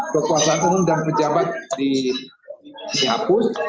kekuasaan umum dan pejabat dihapus